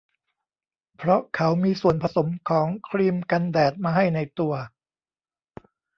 เพราะเขามีส่วนผสมของครีมกันแดดมาให้ในตัว